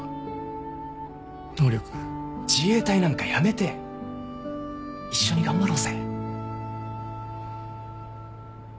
自衛隊なんか辞めて一緒に頑張ろうぜ。